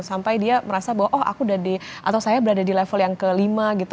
sampai dia merasa bahwa oh aku udah di atau saya berada di level yang kelima gitu